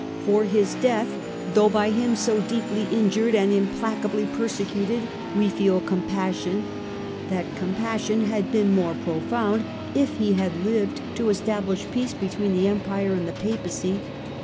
For his death, though by him so deeply injured and im placably persecuted, we feel compassion ; that com passion had been more profound if he had lived to establish peace between the Empire and the Papacy.